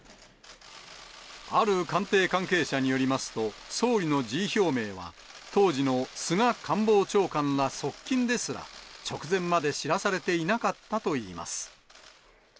ある官邸関係者によりますと、総理の辞意表明は、当時の菅官房長官ら側近ですら、直前まで知らされていなかったといいます。